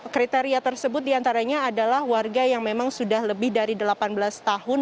kriteria tersebut diantaranya adalah warga yang memang sudah lebih dari delapan belas tahun